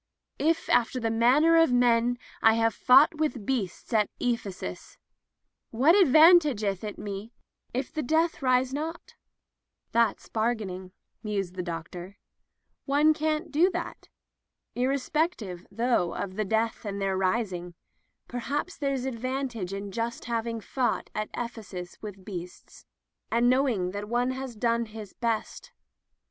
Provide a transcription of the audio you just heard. '* If after the manner of men I have fought with beasts at Ephesus, what advantageth it me if the dead rise not ?" "That's bargaining," mused the doctor. "One can't do that. Irrespective, though, of the dead and their rising, perhaps there's advantage in just having fought at Ephesus with beasts, and knowing one has done his [ 409 ] Digitized by LjOOQ IC Interventions best at it."